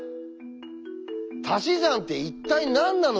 「たし算」って一体何なのかってこと。